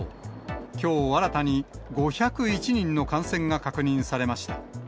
きょう、新たに５０１人の感染が確認されました。